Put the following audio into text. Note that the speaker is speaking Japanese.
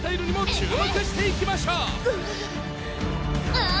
ああ。